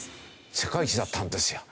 世界一だったんですよ。